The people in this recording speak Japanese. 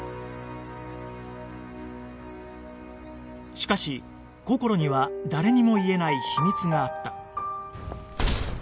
しかしこころには誰にも言えない秘密があった